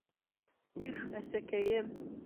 Их, әсәкәйем!